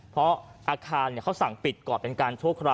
เพราะอาคารเขาสั่งปิดก่อนเป็นการชั่วคราว